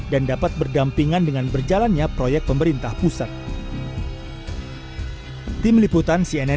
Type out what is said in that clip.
dan dapat berdampingan dengan berjalannya proyek pemerintah pusat